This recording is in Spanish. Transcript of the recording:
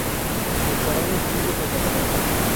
Estarán escritos en catalán.